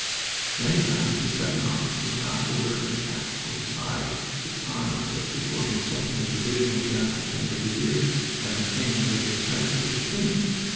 Many times the Second Army would not order an attack or decide the time of it before consulting the divisional generals and brigadiers, and obtaining their consensus of opinion.